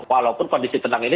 walaupun kondisi tenang ini